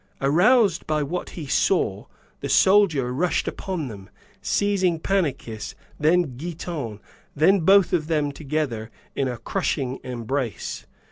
Aroused by what he saw, the soldier rushed upon them, seizing Pannychis, then Giton, then both of them together, in a crushing embrace.